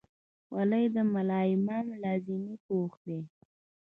خولۍ د ملا امام لازمي پوښ دی.